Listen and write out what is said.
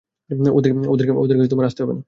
ওদেরকে আসতে হবে না।